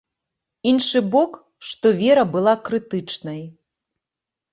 Іншы бок, што вера была крытычнай.